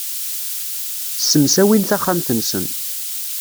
Ssemsawin taxxamt-nsen.